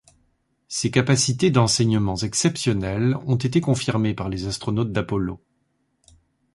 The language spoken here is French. Ses capacités d'enseignement exceptionnelles ont été confirmées par les astronautes d'Apollo.